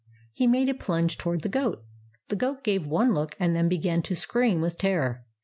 He made a plunge toward the goat. The goat gave one look, and then began to scream with terror.